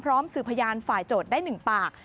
พร้อมสื่อพยานฝ่ายโจทย์ได้หนึ่งปาก